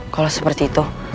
kalau seperti itu